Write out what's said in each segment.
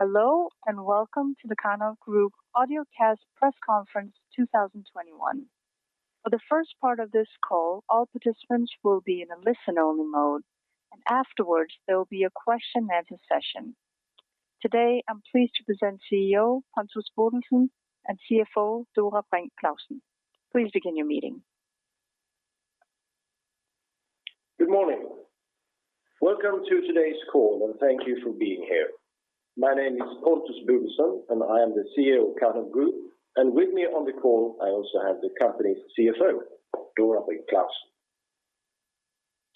Hello, and welcome to the Karnov Group Audiocast Press Conference 2021. For the first part of this call, all participants will be in a listen-only mode. Afterwards, there will be a question and answer session. Today, I'm pleased to present CEO Pontus Bodelsson and CFO Dora Brink Clausen. Please begin your meeting. Good morning. Welcome to today's call, and thank you for being here. My name is Pontus Bodelsson, and I am the CEO of Karnov Group. With me on the call, I also have the company's CFO, Dora Brink Clausen.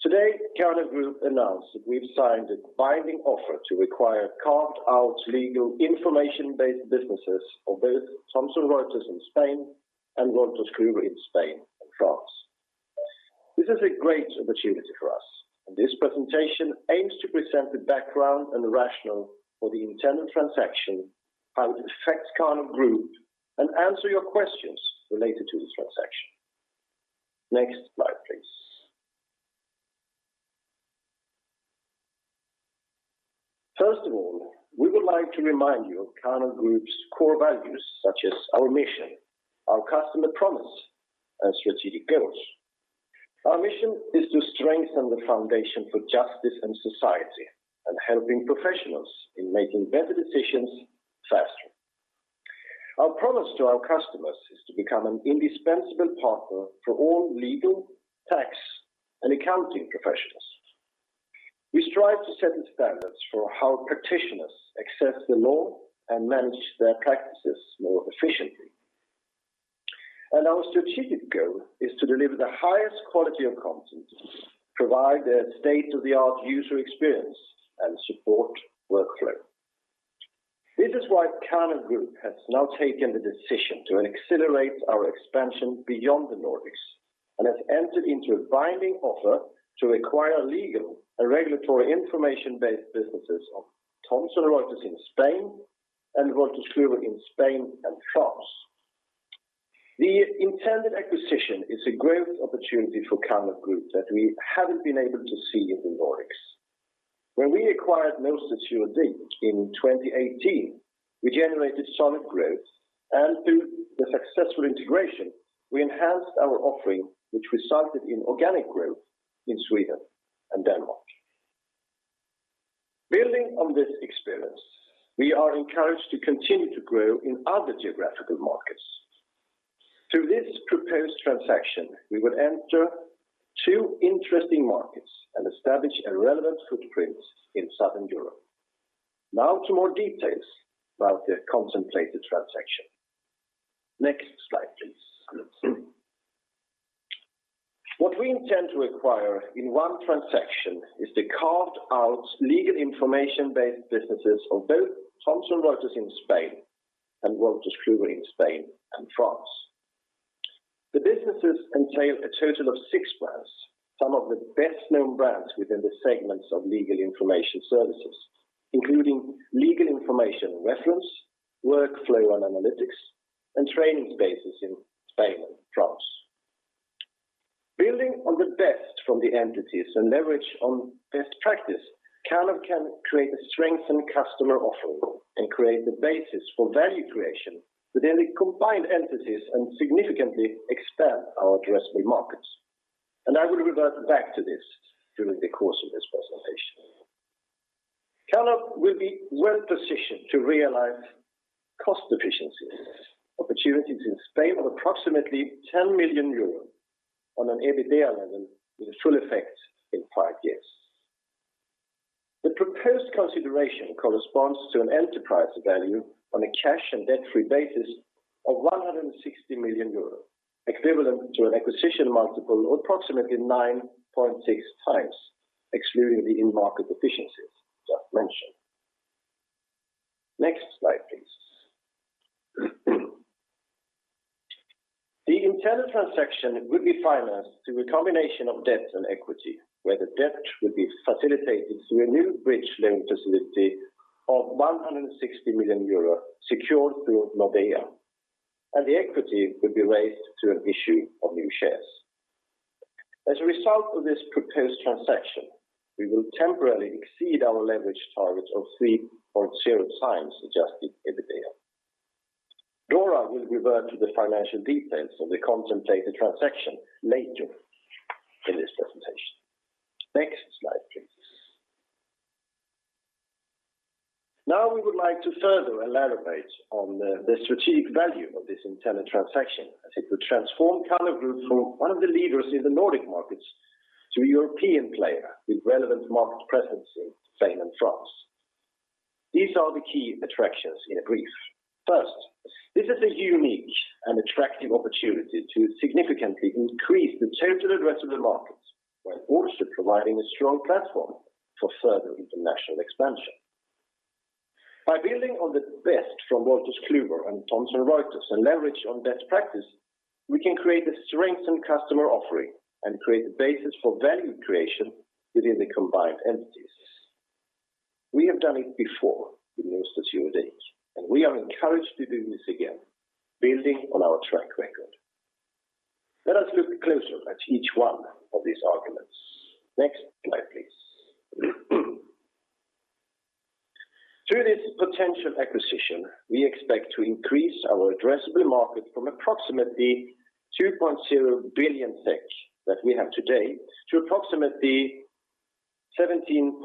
Today, Karnov Group announced that we've signed a binding offer to acquire carved-out legal information-based businesses of both Thomson Reuters in Spain and Wolters Kluwer in Spain and France. This is a great opportunity for us, and this presentation aims to present the background and the rationale for the intended transaction, how it affects Karnov Group, and answer your questions related to this transaction. Next slide, please. First of all, we would like to remind you of Karnov Group's core values, such as our mission, our customer promise, and strategic goals. Our mission is to strengthen the foundation for justice and society and helping professionals in making better decisions faster. Our promise to our customers is to become an indispensable partner for all legal, tax, and accounting professionals. We strive to set the standards for how practitioners access the law and manage their practices more efficiently. Our strategic goal is to deliver the highest quality of content, provide a state-of-the-art user experience, and support workflow. This is why Karnov Group has now taken the decision to accelerate our expansion beyond the Nordics and has entered into a binding offer to acquire legal and regulatory information-based businesses of Thomson Reuters in Spain and Wolters Kluwer in Spain and France. The intended acquisition is a growth opportunity for Karnov Group that we haven't been able to see in the Nordics. When we acquired Norstedts Juridik in 2018, we generated solid growth. Through the successful integration, we enhanced our offering, which resulted in organic growth in Sweden and Denmark. Building on this experience, we are encouraged to continue to grow in other geographical markets. Through this proposed transaction, we would enter two interesting markets and establish a relevant footprint in Southern Europe. Now to more details about the contemplated transaction. Next slide, please. What we intend to acquire in one transaction is the carved-out legal information-based businesses of both Thomson Reuters in Spain and Wolters Kluwer in Spain and France. The businesses entail a total of six brands, some of the best-known brands within the segments of legal information services, including legal information reference, workflow and analytics, and training spaces in Spain and France. Building on the best from the entities and leverage on best practice, Karnov can create a strengthened customer offering and create the basis for value creation within the combined entities and significantly expand our addressable markets. I will revert back to this during the course of this presentation. Karnov will be well-positioned to realize cost efficiencies, opportunities in Spain of approximately 10 million euros on an EBITDA level with a full effect in 5 years. The proposed consideration corresponds to an enterprise value on a cash and debt-free basis of 160 million euros, equivalent to an acquisition multiple of approximately 9.6x, excluding the in-market efficiencies just mentioned. Next slide, please. The intended transaction will be financed through a combination of debt and equity, where the debt will be facilitated through a new bridge loan facility of 160 million euros secured through Nordea, and the equity will be raised through an issue of new shares. As a result of this proposed transaction, we will temporarily exceed our leverage target of 3.0x adjusted EBITDA. Dora will revert to the financial details of the contemplated transaction later in this presentation. Next slide, please. Now we would like to further elaborate on the strategic value of this intended transaction as it will transform Karnov Group from one of the leaders in the Nordic markets to a European player with relevant market presence in Spain and France. These are the key attractions in brief. First, this is a unique and attractive opportunity to significantly increase the total addressable markets while also providing a strong platform for further international expansion. By building on the best from Wolters Kluwer and Thomson Reuters and leverage on best practice, we can create a strengthened customer offering and create the basis for value creation within the combined entities. We have done it before with Norstedts Juridik, and we are encouraged to do this again, building on our track record. Let us look closer at each one of these arguments. Next slide, please. Through this potential acquisition, we expect to increase our addressable market from approximately 2.0 billion SEK that we have today to approximately 17.3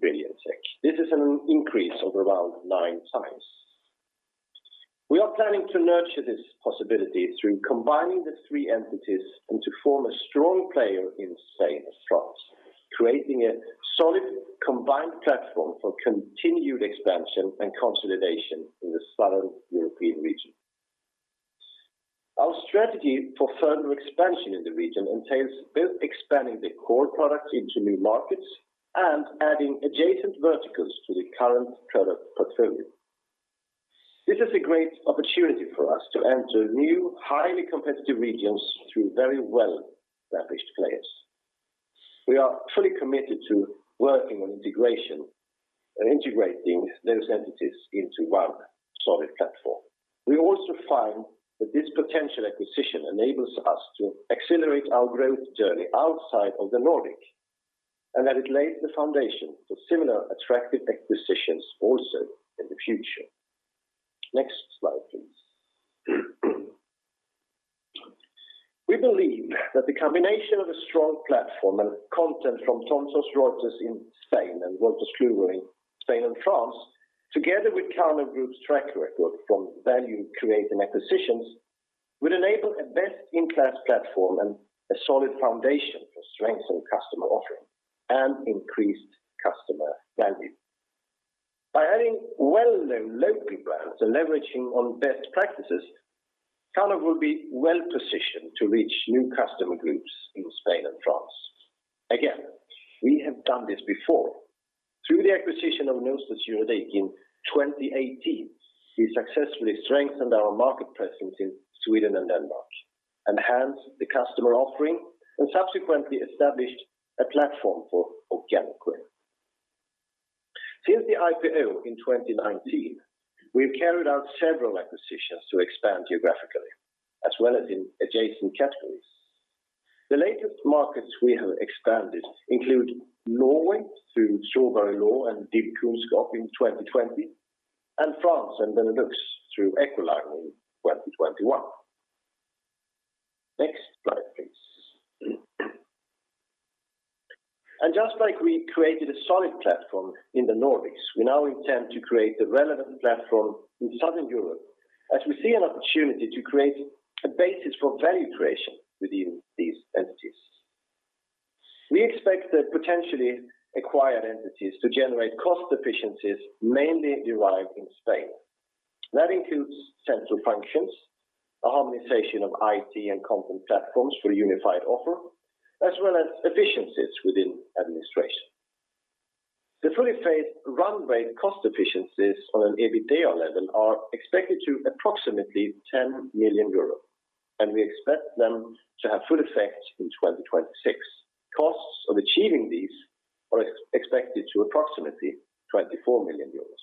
billion SEK. This is an increase of around 9 times. We are planning to nurture this possibility through combining the three entities and to form a strong player in Spain and France, creating a solid combined platform for continued expansion and consolidation in the Southern European region. Our strategy for further expansion in the region entails both expanding the core products into new markets and adding adjacent verticals to the current product portfolio. This is a great opportunity for us to enter new, highly competitive regions through very well-established players. We are fully committed to working on integration and integrating those entities into one solid platform. We also find that this potential acquisition enables us to accelerate our growth journey outside of the Nordic and that it lays the foundation for similar attractive acquisitions also in the future. Next slide, please. We believe that the combination of a strong platform and content from Thomson Reuters in Spain and Wolters Kluwer in Spain and France, together with Karnov Group's track record from value-creating acquisitions, would enable a best-in-class platform and a solid foundation for strengthened customer offering and increased customer value. By adding well-known local brands and leveraging on best practices, Karnov will be well-positioned to reach new customer groups in Spain and France. Again, we have done this before. Through the acquisition of Norstedts Juridik in 2018, we successfully strengthened our market presence in Sweden and Denmark, enhanced the customer offering, and subsequently established a platform for organic growth. Since the IPO in 2019, we've carried out several acquisitions to expand geographically as well as in adjacent categories. The latest markets we have expanded include Norway through Strawberry Law and DIBkunnskap in 2020 and France and the Netherlands through Echoline in 2021. Next slide, please. Just like we created a solid platform in the Nordics, we now intend to create a relevant platform in Southern Europe as we see an opportunity to create a basis for value creation within these entities. We expect the potentially acquired entities to generate cost efficiencies mainly derived in Spain. That includes central functions, a harmonization of IT and content platforms for unified offer, as well as efficiencies within administration. The fully phased run rate cost efficiencies on an EBITDA level are expected to approximately 10 million euros, and we expect them to have full effect in 2026. Costs of achieving these are expected to approximately 24 million euros.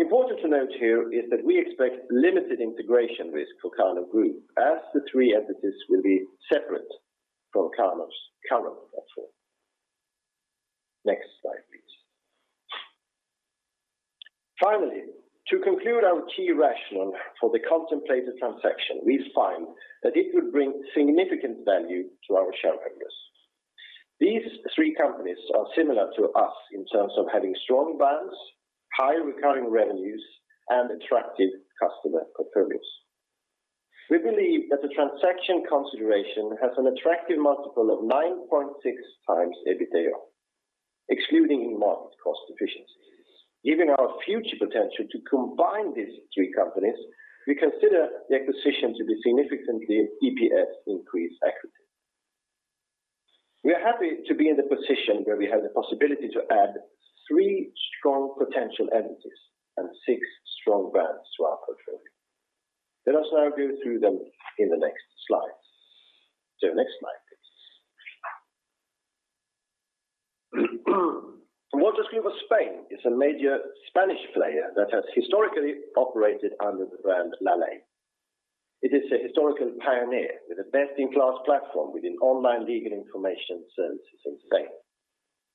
Important to note here is that we expect limited integration risk for Karnov Group as the three entities will be separate from Karnov’s current platform. Next slide, please. Finally, to conclude our key rationale for the contemplated transaction, we find that it would bring significant value to our shareholders. These three companies are similar to us in terms of having strong brands, high recurring revenues, and attractive customer portfolios. We believe that the transaction consideration has an attractive multiple of 9.6x EBITDA, excluding one-time cost efficiencies. Given our future potential to combine these three companies, we consider the acquisition to be significantly EPS accretive. We are happy to be in the position where we have the possibility to add three strong potential entities and six strong brands to our portfolio. Let us now go through them in the next slides. Next slide, please. Wolters Kluwer Spain is a major Spanish player that has historically operated under the brand LA LEY. It is a historical pioneer with a best-in-class platform within online legal information services in Spain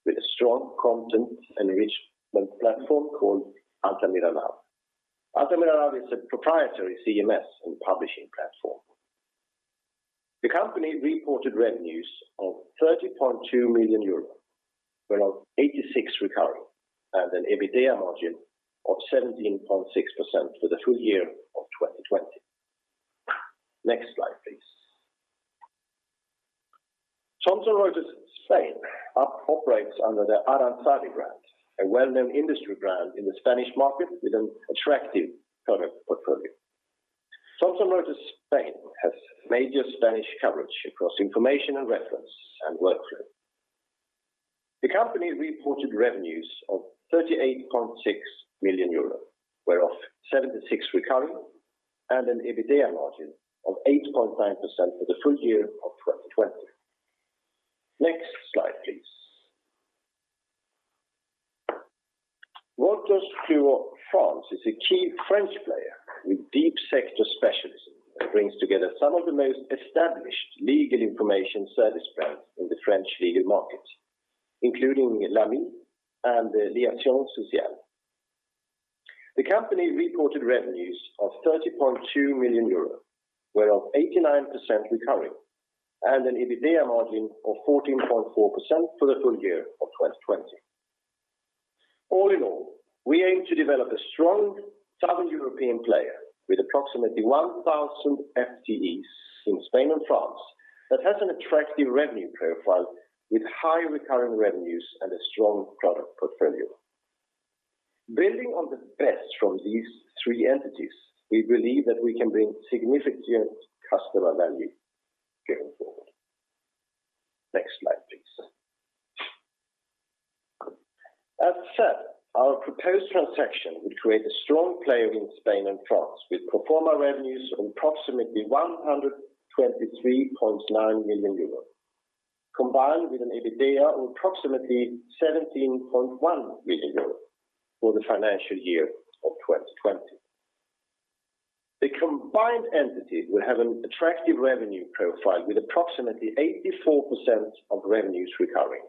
with a strong content and enrichment platform called Altamira Naw. Altamira is a proprietary CMS and publishing platform. The company reported revenues of 30.2 million euros, whereof 86% recurring and an EBITDA margin of 17.6% for the full year of 2020. Next slide, please. Thomson Reuters Spain operates under the Aranzadi brand, a well-known industry brand in the Spanish market with an attractive product portfolio. Thomson Reuters Spain has major Spanish coverage across information and reference and workflow. The company reported revenues of 38.6 million euros, whereof 76% recurring and an EBITDA margin of 8.9% for the full year of 2020. Next slide, please. Echoline is a key French player with deep sector specialization that brings together some of the most established legal information service brands in the French legal market, including Lamy Liaisons. The company reported revenues of 30.2 million euro, whereof 89% recurring, and an EBITDA margin of 14.4% for the full year of 2020. All in all, we aim to develop a strong Southern European player with approximately 1,000 FTEs in Spain and France that has an attractive revenue profile with high recurring revenues and a strong product portfolio. Building on the best from these three entities, we believe that we can bring significant customer value going forward. Next slide, please. As said, our proposed transaction would create a strong player in Spain and France with pro forma revenues of approximately 123.9 million euros, combined with an EBITDA of approximately 17.1 million euros for the financial year of 2020. The combined entity will have an attractive revenue profile with approximately 84% of revenues recurring.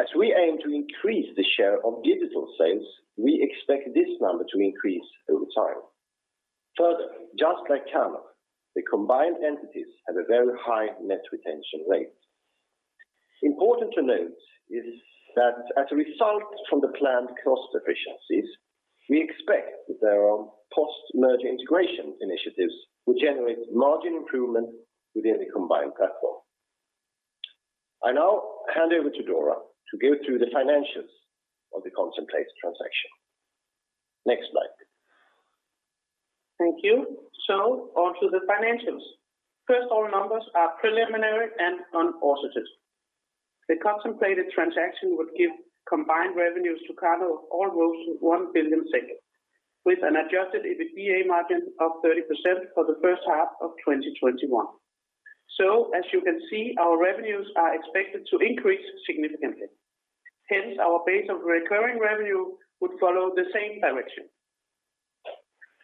As we aim to increase the share of digital sales, we expect this number to increase over time. Further, just like Karnov, the combined entities have a very high net retention rate. Important to note is that as a result from the planned cost efficiencies, we expect that there are post-merger integration initiatives which generate margin improvement within the combined platform. I now hand over to Dora to go through the financials of the contemplated transaction. Next slide. Thank you. On to the financials. First, our numbers are preliminary and unaudited. The contemplated transaction would give combined revenues to Karnov of almost 1 billion, with an adjusted EBITDA margin of 30% for the first half of 2021. As you can see, our revenues are expected to increase significantly. Hence, our base of recurring revenue would follow the same direction.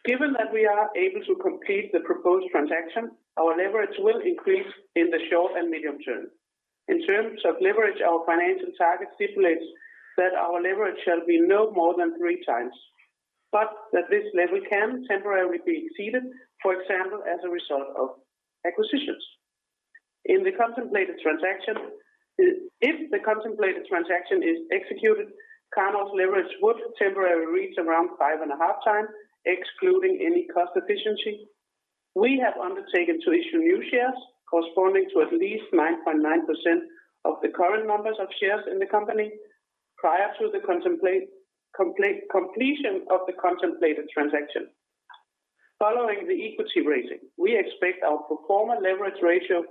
Given that we are able to complete the proposed transaction, our leverage will increase in the short and medium term. In terms of leverage, our financial target stipulates that our leverage shall be no more than 3x, but that this level can temporarily be exceeded, for example, as a result of acquisitions. In the contemplated transaction, if the contemplated transaction is executed, Karnov's leverage would temporarily reach around 5.5x, excluding any cost efficiency. We have undertaken to issue new shares corresponding to at least 9.9% of the current number of shares in the company prior to the completion of the contemplated transaction. Following the equity raising, we expect our pro forma leverage ratio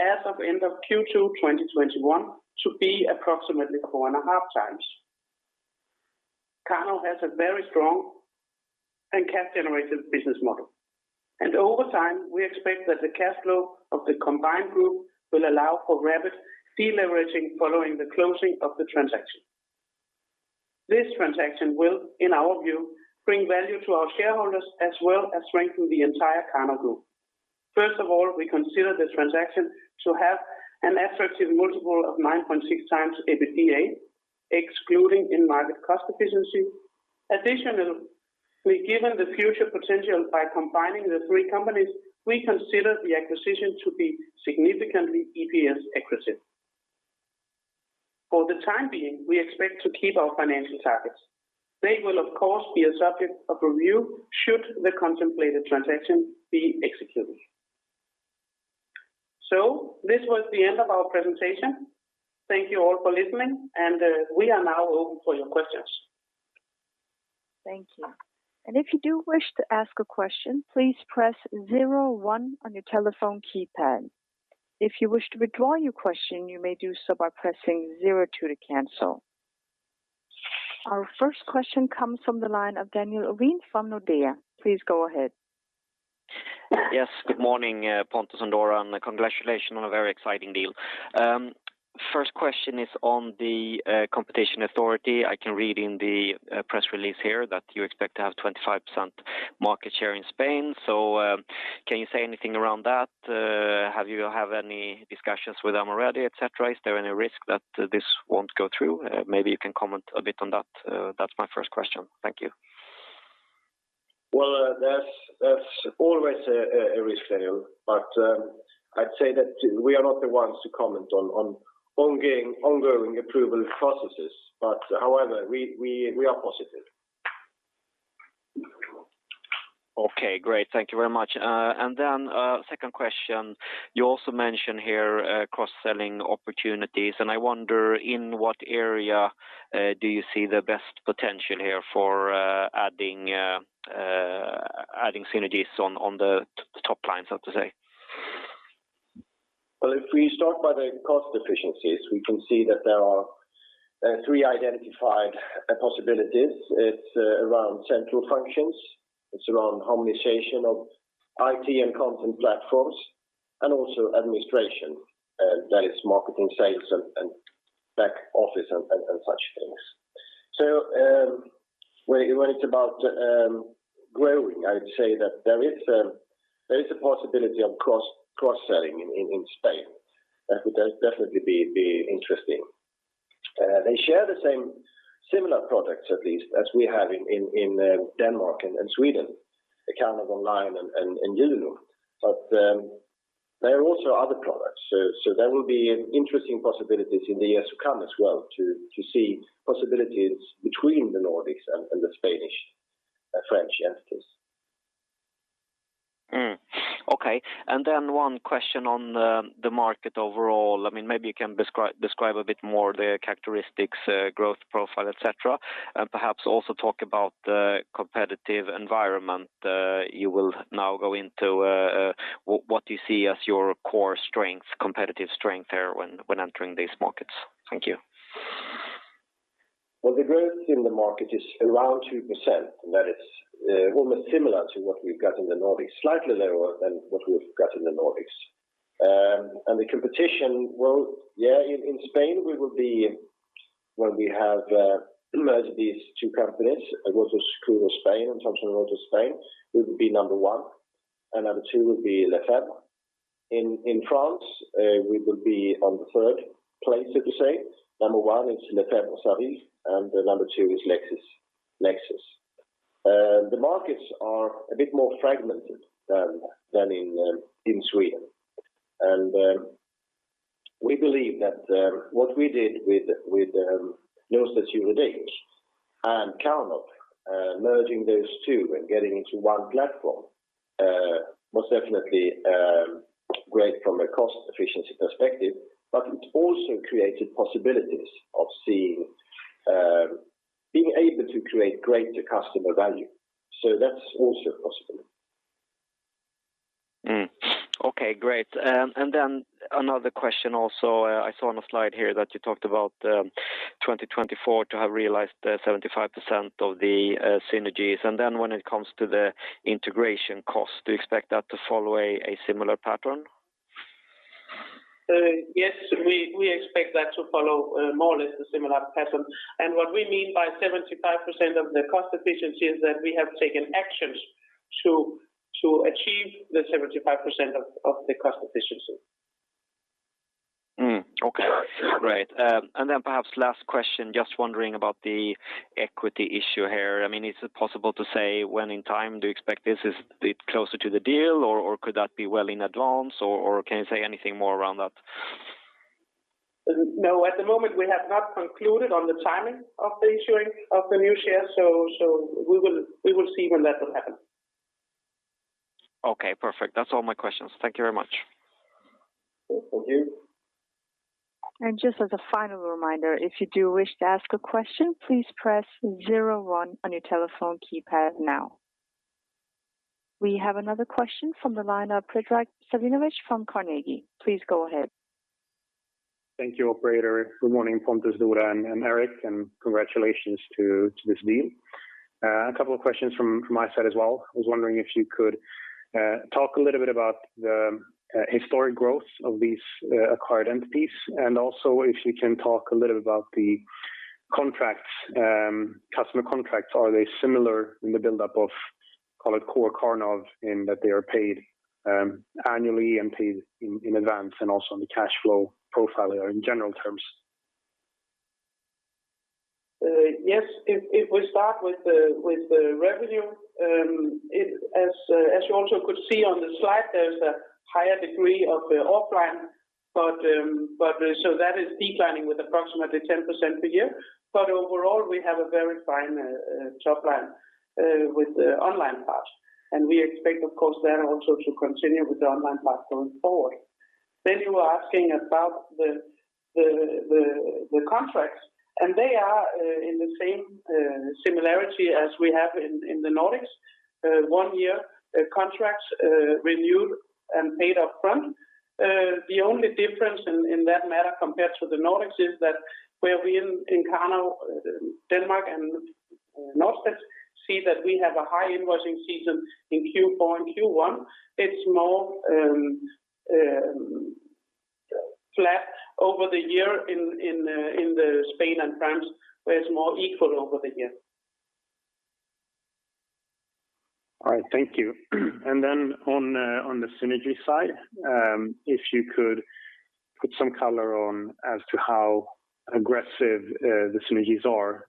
as of end of Q2 2021 to be approximately 4.5x. Karnov has a very strong and cash-generative business model, and over time, we expect that the cash flow of the combined group will allow for rapid de-leveraging following the closing of the transaction. This transaction will, in our view, bring value to our shareholders as well as strengthen the entire Karnov Group. First of all, we consider the transaction to have an attractive multiple of 9.6x EBITDA, excluding in-market cost efficiency. Additionally, given the future potential by combining the three companies, we consider the acquisition to be significantly EPS accretive. For the time being, we expect to keep our financial targets. They will, of course, be a subject of review should the contemplated transaction be executed. This was the end of our presentation. Thank you all for listening, and we are now open for your questions. Thank you. If you do wish to ask a question, please press zero one on your telephone keypad. If you wish to withdraw your question, you may do so by pressing zero two to cancel. Our first question comes from the line of Daniel Ovin from Nordea. Please go ahead. Yes. Good morning, Pontus and Dora, and congratulations on a very exciting deal. First question is on the competition authority. I can read in the press release here that you expect to have 25% market share in Spain. Can you say anything around that? Have you had any discussions with CNMC, et cetera? Is there any risk that this won't go through? Maybe you can comment a bit on that. That's my first question. Thank you. Well, there's always a risk there, but I'd say that we are not the ones to comment on ongoing approval processes. However, we are positive. Okay, great. Thank you very much. Second question. You also mentioned here, cross-selling opportunities, and I wonder in what area do you see the best potential here for adding synergies on the top line, so to say? Well, if we start by the cost efficiencies, we can see that there are three identified possibilities. It's around central functions. It's around harmonization of IT and content platforms. Also administration that is marketing, sales and back office and such things. When it's about growing, I would say that there is a possibility of cross-selling in Spain. That would definitely be interesting. They share the same similar products at least as we have in Denmark and Sweden, the kind of online and Gillenu. There are also other products. There will be interesting possibilities in the years to come as well to see possibilities between the Nordics and the Spanish, French entities. Okay. Then one question on the market overall. I mean, maybe you can describe a bit more the characteristics, growth profile, et cetera, and perhaps also talk about the competitive environment you will now go into. What do you see as your core strength, competitive strength there when entering these markets? Thank you. Well, the growth in the market is around 2%, and that is almost similar to what we've got in the Nordics, slightly lower than what we've got in the Nordics. The competition growth in Spain, when we have merged these two companies, Wolters Kluwer Spain and Thomson Reuters Spain, we will be number one, and number two will be Lefebvre. In France, we will be in the third place, so to say. Number one is Lefebvre Sarrut, and number two is LexisNexis. The markets are a bit more fragmented than in Sweden. We believe that what we did with Norstedts Juridik and Karnov, merging those two and getting into one platform, was definitely great from a cost efficiency perspective, but it also created possibilities of seeing, being able to create greater customer value. That's also a possibility. Okay, great. Then another question also. I saw on a slide here that you talked about 2024 to have realized 75% of the synergies. Then when it comes to the integration cost, do you expect that to follow a similar pattern? Yes, we expect that to follow more or less a similar pattern. What we mean by 75% of the cost efficiency is that we have taken actions to achieve the 75% of the cost efficiency. Okay. Great. Perhaps last question, just wondering about the equity issue here. I mean, is it possible to say when in time do you expect this? Is it closer to the deal or could that be well in advance or can you say anything more around that? No. At the moment, we have not concluded on the timing of the issuing of the new shares. We will see when that will happen. Okay, perfect. That's all my questions. Thank you very much. Thank you. Just as a final reminder, if you do wish to ask a question, please press zero one on your telephone keypad now. We have another question from the line of Predrag Savinovic from Carnegie. Please go ahead. Thank you, operator. Good morning, Pontus, Dora and Erik, and congratulations to this deal. A couple of questions from my side as well. I was wondering if you could talk a little bit about the historic growth of these acquired entities, and also if you can talk a little about the contracts, customer contracts. Are they similar in the buildup of, call it core Karnov in that they are paid annually and paid in advance and also on the cash flow profile there in general terms? Yes. If we start with the revenue, as you also could see on the slide, there is a higher degree of offline. That is declining with approximately 10% a year. Overall, we have a very fine top line with the online part. We expect of course then also to continue with the online part going forward. You were asking about the contracts, and they are in the same similarity as we have in the Nordics, one-year contracts, renewed and paid up front. The only difference in that matter compared to the Nordics is that where we in Karnov, Denmark and Norstedts see that we have a high invoicing season in Q4 and Q1, it's more flat over the year in Spain and France, where it's more equal over the year. All right. Thank you. On the synergy side, if you could put some color on as to how aggressive the synergies are.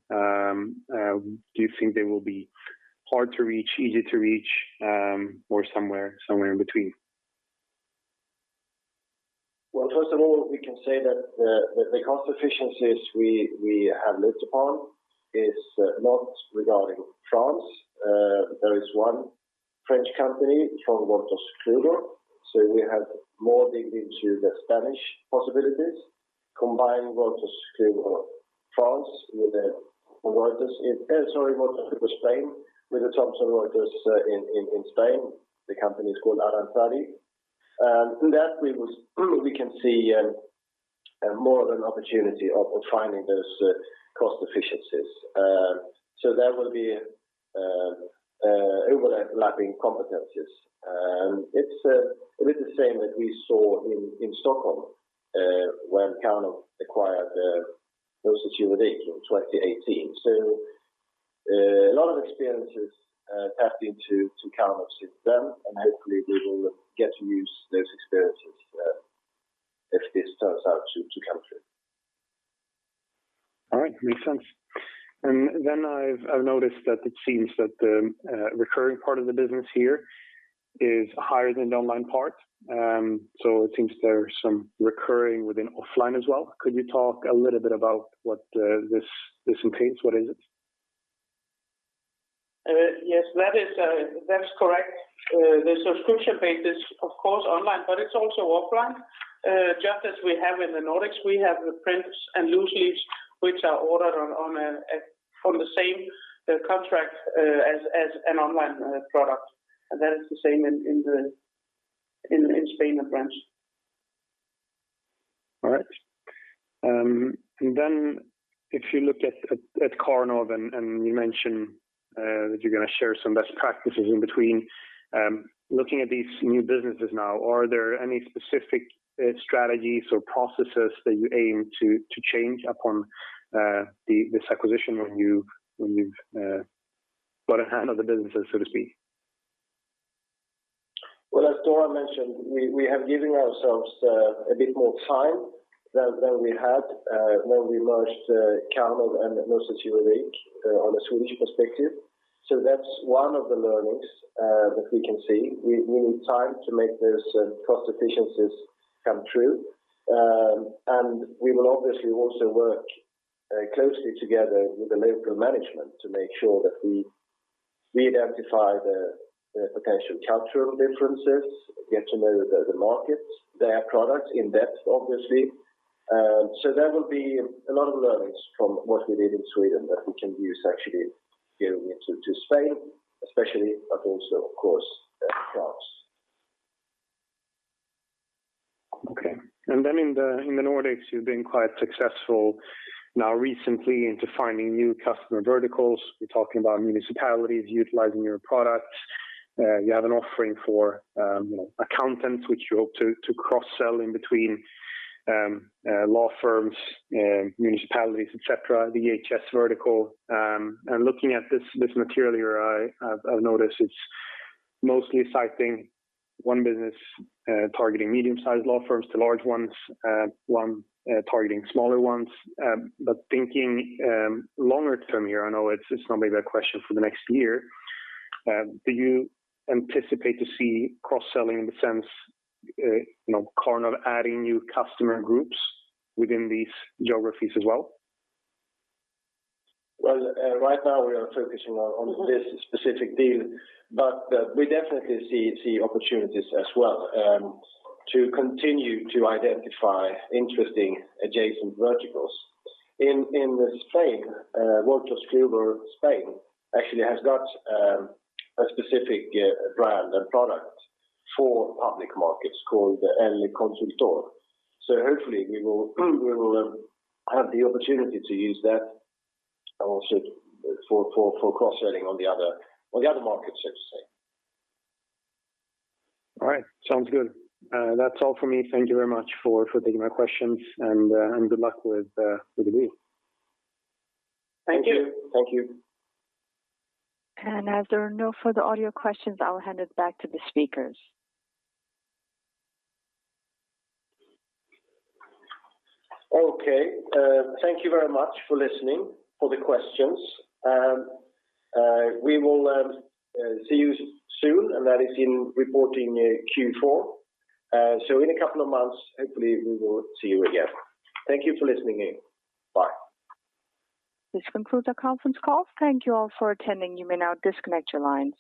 Do you think they will be hard to reach, easy to reach, or somewhere in between? Well, first of all, we can say that the cost efficiencies we have looked upon is not regarding France. There is one French company from Wolters Kluwer. We have done more digging into the Spanish possibilities, combine Wolters Kluwer Spain with the Thomson Reuters in Spain. The company is called Aranzadi. In that we can see more of an opportunity of finding those cost efficiencies. There will be overlapping competencies. It's a bit the same that we saw in Stockholm when Karnov acquired Norstedts Juridik in 2018. A lot of experiences tapped into to Karnov since then, and hopefully we will get to use those experiences if this turns out to come through. All right. Makes sense. I've noticed that it seems that the recurring part of the business here is higher than the online part. It seems there's some recurring within offline as well. Could you talk a little bit about what this contains? What is it? Yes, that is, that's correct. The subscription base is of course online, but it's also offline. Just as we have in the Nordics, we have the prints and loose leaves which are ordered from the same contract as an online product. That is the same in Spain and France. All right. If you look at Karnov and you mentioned that you're gonna share some best practices in between. Looking at these new businesses now, are there any specific strategies or processes that you aim to change upon this acquisition when you've got a hand on the businesses, so to speak? Well, as Dora mentioned, we have given ourselves a bit more time than we had when we merged Karnov and Norstedts Juridik on a Swedish perspective. That's one of the learnings that we can see. We need time to make those cost efficiencies come true. We will obviously also work closely together with the local management to make sure that we identify the potential cultural differences, get to know the markets, their products in depth, obviously. There will be a lot of learnings from what we did in Sweden that we can use actually going into Spain especially, but also of course, France. Okay. In the Nordics, you've been quite successful now recently in finding new customer verticals. We're talking about municipalities utilizing your products. You have an offering for you know, accountants which you hope to cross-sell in between law firms, municipalities, et cetera, the EHS vertical. Looking at this material here, I've noticed it's mostly citing one business targeting medium-sized law firms to large ones, one targeting smaller ones. Thinking longer term here, I know it's not maybe a question for the next year. Do you anticipate to see cross-selling in the sense you know, Karnov adding new customer groups within these geographies as well? Well, right now we are focusing on this specific deal, but we definitely see opportunities as well to continue to identify interesting adjacent verticals. In Spain, Wolters Kluwer Spain actually has got a specific brand and product for public markets called El Consultor. So hopefully we will have the opportunity to use that also for cross-selling on the other markets, so to say. All right. Sounds good. That's all for me. Thank you very much for taking my questions and good luck with the deal. Thank you. Thank you. As there are no further audio questions, I will hand it back to the speakers. Okay. Thank you very much for listening, for the questions. We will see you soon, and that is in reporting Q4. In a couple of months, hopefully we will see you again. Thank you for listening in. Bye. This concludes our conference call. Thank you all for attending. You may now disconnect your lines.